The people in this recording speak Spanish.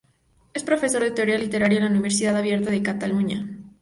Es profesor de Teoría Literaria en la Universidad Abierta de Cataluña.